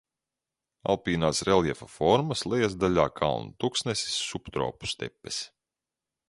Alpīnās reljefa formas, lejasdaļā kalnu tuksnesis, subtropu stepes.